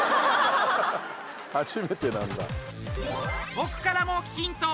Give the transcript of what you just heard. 僕からもヒント。